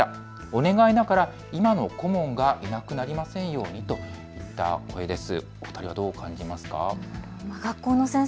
お願いだから今の顧問がいなくなりませんようにといった声です。